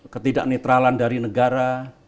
ketidak netralan dari negara